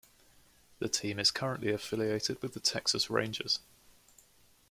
The team is currently affiliated with the Texas Rangers.